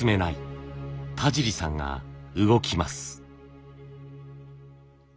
田尻さんが動きます。